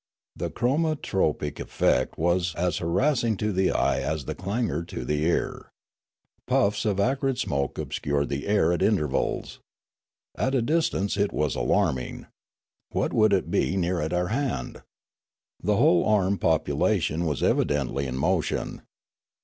The chromatropic effect was as harassing to the eye as the clangour to the ear. Puffs of acrid smoke obscured the air at intervals. At a distance it was alarming. What would it be near at our hand ? The whole armed population was evidently in motion.